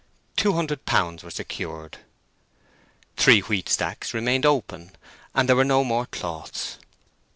Two hundred pounds were secured. Three wheat stacks remained open, and there were no more cloths.